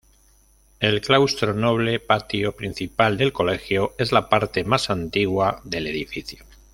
El claustro noble, patio principal del colegio, es la parte más antigua del edificio.